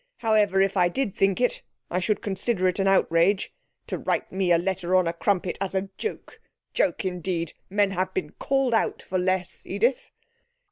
However, if I did think it, I should consider it an outrage. To write me a letter on a crumpet, as a joke! Joke, indeed! Men have been called out for less, Edith.'